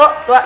pah pah pah